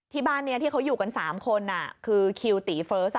ที่บ้านนี้ที่เขาอยู่กัน๓คนคือคิวตีเฟิร์ส